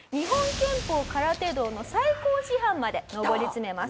拳法空手道の最高師範まで上り詰めます。